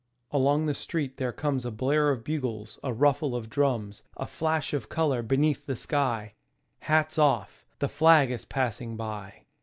Along the street there comes A blare of bugles, a ruffle of drums, A flash of color beneath the sky: Hats off ! The flag is passing by